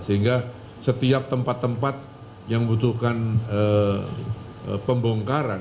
sehingga setiap tempat tempat yang membutuhkan pembongkaran